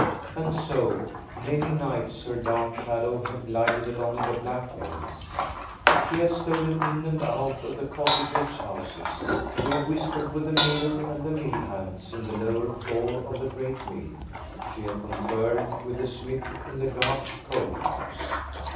And so, many nights her dark shadow had glided along the black lanes. She had stolen in and out of the cottagers' houses, she had whispered with the miller and the mill hands in the lower floor of the great mill, she had conferred with the smith in the dark coal house.